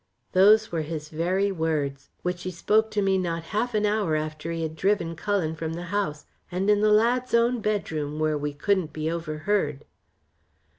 Those were his very words, which he spoke to me not half an hour after he had driven Cullen from the house, and in the lad's own bedroom, where we couldn't be overheard."